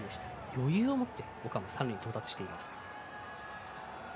余裕を持って岡も三塁へ到達しています。